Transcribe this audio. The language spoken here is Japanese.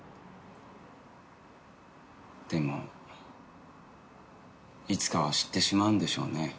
でもいつかは知ってしまうんでしょうね。